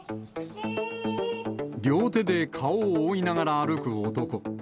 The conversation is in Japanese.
両手で顔を覆いながら歩く男。